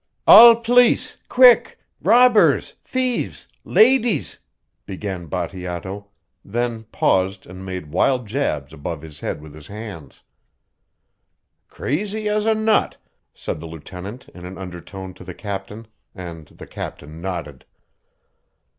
"All pleece quick robbers thieves ladies!" began Bateato, then paused and made wild jabs above his head with his hands. "Crazy as a nut," said the lieutenant in an undertone to the captain, and the captain nodded.